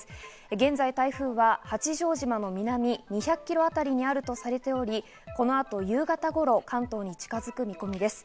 現在、台風は八丈島の南２００ｋｍあたりにあるとされており、この後、夕方頃、関東に近づく見込みです。